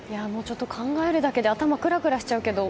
考えるだけで頭くらくらしちゃうけど。